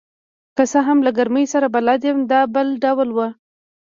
که څه هم له ګرمۍ سره بلد یم، دا بل ډول وه.